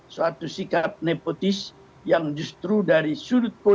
suatu sikap nepotis yang justru dari sudut politik